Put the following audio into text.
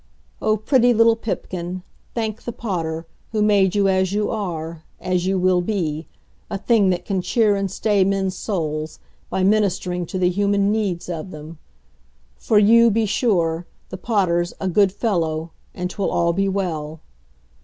O pretty little Pipkin, thank the Potter, who made you as you are, as you will be a thing that can cheer and stay men's souls by ministering to the human needs of them. For you, be sure, the Potter's 'a good fellow and 'twill all be well.'